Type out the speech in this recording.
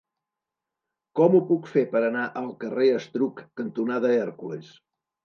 Com ho puc fer per anar al carrer Estruc cantonada Hèrcules?